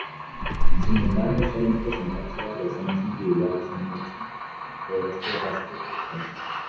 Sin embargo suelen presentarse variaciones individuales en muchos de estos rasgos de color.